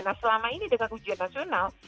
nah selama ini dengan ujian nasional